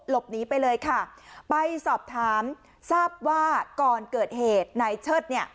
หลบหนีไปเลยค่ะไปสอบถามทราบว่าก่อนเกิดเหตุนายเชิดเนี่ย